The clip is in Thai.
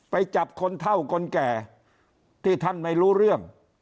ไปจับคนเท่าคนแก่ที่ท่านไม่รู้เรื่อง